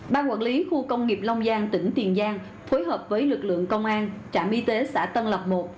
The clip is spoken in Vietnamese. ban quản lý khu công nghiệp long giang tỉnh tiền giang phối hợp với lực lượng công an trạm y tế xã tân lộc một